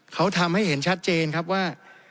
เขาทำให้เห็นชัดเจนครับว่า